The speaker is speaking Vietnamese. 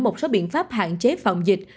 một số biện pháp hạn chế phòng dịch